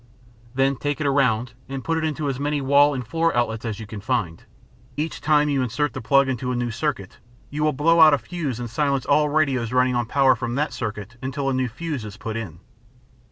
Then take it around and put it into as many wall and floor outlets as you can find. Each time you insert the plug into a new circuit, you will blow out a fuse and silence all radios running on power from that circuit until a new fuse is put in.